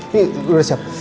ini udah siap